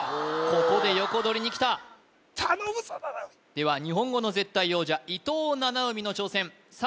ここでヨコドリにきた頼むぞ七海では日本語の絶対王者伊藤七海の挑戦